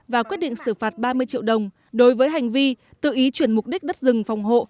và quyết định xử phạt ba mươi triệu đồng đối với hành vi tự ý chuyển mục đích đất rừng phòng hộ